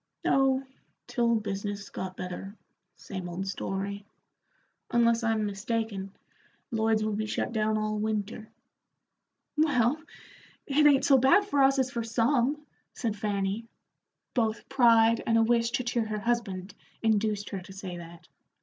"Oh, till business got better same old story. Unless I'm mistaken, Lloyd's will be shut down all winter." "Well, it ain't so bad for us as for some," said Fanny. Both pride and a wish to cheer her husband induced her to say that.